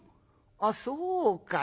あっそうかい。